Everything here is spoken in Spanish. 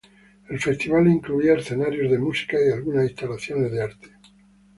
El festival incluía escenarios de música y algunas instalaciones de arte.